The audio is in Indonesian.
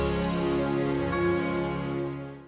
dan akan menanggungmu